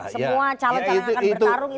semua calon calon akan bertarung itu ketemu